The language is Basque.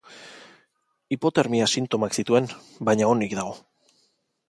Hipotermia sintomak zituen baina, onik dago.